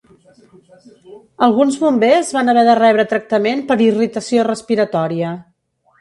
Alguns bombers van haver de rebre tractament per irritació respiratòria.